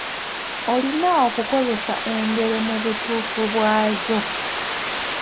Olina okukozesa engero mu butuufu bwazo.